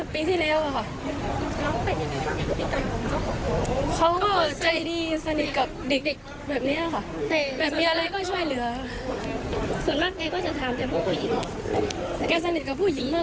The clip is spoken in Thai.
เพื่อนผู้ชายด้วยเด็กที่เราไม่ค่อยชอบ